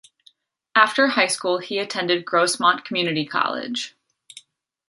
After high school, he attended Grossmont Community College.